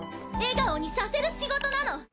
笑顔にさせる仕事なの！